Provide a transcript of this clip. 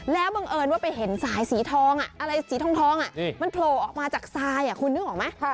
แล้วบังเอิญว่าไปเห็นสายสีทองอะไรสีทองมันโผล่ออกมาจากทรายคุณนึกออกไหม